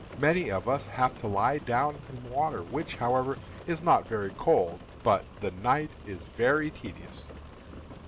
Many of us have to lie down in water, which, however, is not very cold. But the night is very tedious.